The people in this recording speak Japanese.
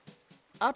あと？